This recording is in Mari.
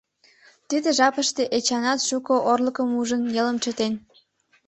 Тиде жапыште Эчанат шуко орлыкым ужын, нелым чытен.